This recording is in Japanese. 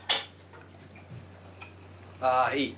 あぁいい。